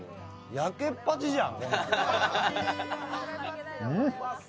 やけっぱちじゃん。